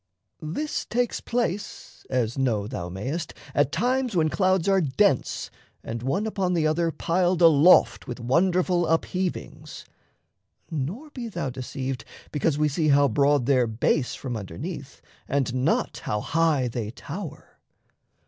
This takes place As know thou mayst at times when clouds are dense And one upon the other piled aloft With wonderful upheavings nor be thou Deceived because we see how broad their base From underneath, and not how high they tower.